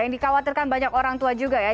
yang dikhawatirkan banyak orang tua juga ya